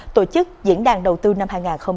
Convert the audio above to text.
tổ chức diễn đàn đầu tư năm hai nghìn hai mươi